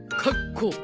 「かっこ」。